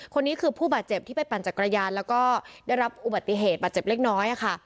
คนนี้คือผู้บาดเจ็บที่ไปปั่นจักรยานแล้วก็ได้รับอุบัติเหตุบาดเจ็บเล็กน้อยค่ะ